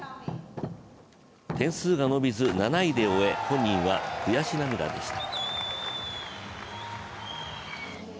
点数が伸びず７位で終え、本人は悔し涙でした。